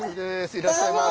いらっしゃいませ。